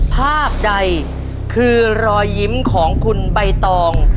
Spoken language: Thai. ภาพใดคือรอยยิ้มของคุณใบตอง